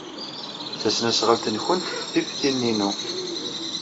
Tasnasɣalt-nwent tif tin-inu.